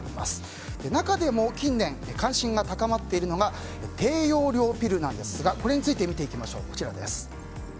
中でも近年関心が高まっているのが低用量ピルなんですがこれについて見ていきましょう。